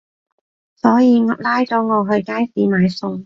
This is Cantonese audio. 所以拉咗我去街市買餸